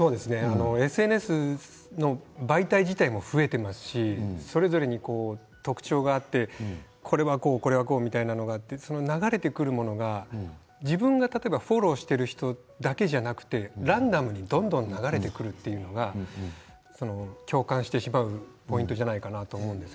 ＳＮＳの媒体自体も増えていますしそれぞれに特徴があってこれはこうこれはこうってあって流れてくるものが自分がフォローしている人だけじゃなくてランダムに流れてくるのが共感してしまうポイントじゃないかなと思うんです。